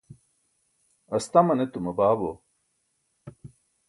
astaman etuma baabo